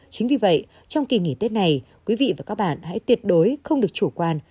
chính vì vậy trong kỳ nghỉ tết này quý vị và các bạn hãy tuyệt đối không được chủ quan